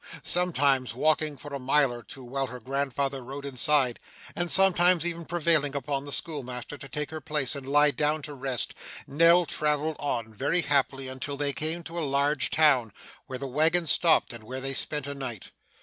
Sometimes walking for a mile or two while her grandfather rode inside, and sometimes even prevailing upon the schoolmaster to take her place and lie down to rest, Nell travelled on very happily until they came to a large town, where the waggon stopped, and where they spent a night.